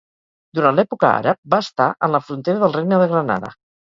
Durant l'època àrab, va estar en la frontera del Regne de Granada.